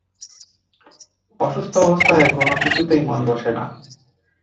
অসুস্থ অবস্থায় কোনো কিছুতেই মন বসে না।